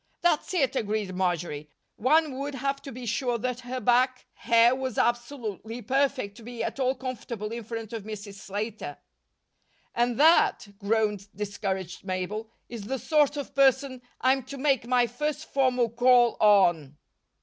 "That's it," agreed Marjory. "One would have to be sure that her back hair was absolutely perfect to be at all comfortable in front of Mrs. Slater." "And that," groaned discouraged Mabel, "is the sort of person I'm to make my first formal call on."